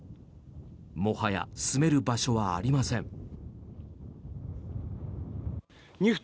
もはや住める場所はありません。